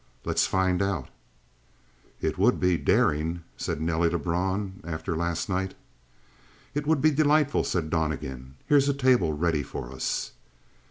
"Let's find out." "It would be daring," said Nelly Lebrun. "After last night." "It would be delightful," said Donnegan. "Here's a table ready for us."